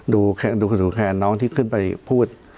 ดูนูแขนน้องที่ขึ้นไปพูด